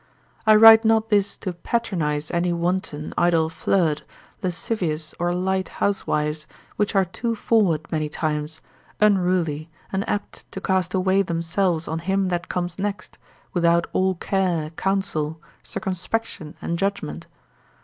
I write not this to patronise any wanton, idle flirt, lascivious or light housewives, which are too forward many times, unruly, and apt to cast away themselves on him that comes next, without all care, counsel, circumspection, and judgment.